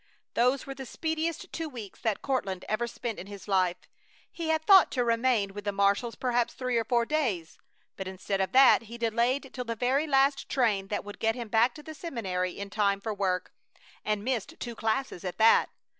Those were the speediest two weeks that Courtland ever spent in his life. He had thought to remain with the Marshalls perhaps three or four days, but instead of that he delayed till the very last train that would get him back to the seminary in time for work, and missed two classes at that.